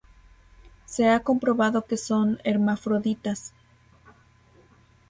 Se ha comprobado que son hermafroditas.